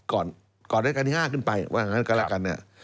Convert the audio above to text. ก่อนรัชกาลที่๕ขึ้นไปว่างั้นก็ละกันนะครับ